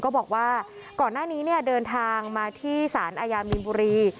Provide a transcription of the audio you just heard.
ก็บอกว่าก่อนหน้านี้เนี่ยเดินทางมาที่สารอาญามีนบุรี